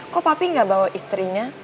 kok papi gak bawa istrinya